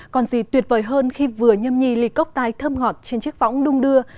còn gì tuyệt vời hơn khi vừa nhâm nhi ly cốc tai thơm ngọt trên chiếc võng đung đưa